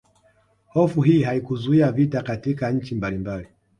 Hofu hii haikuzuia vita katika nchi mbalimbali